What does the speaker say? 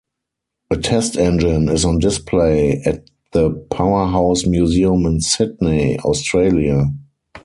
A test engine is on display at the Powerhouse Museum in Sydney, Australia.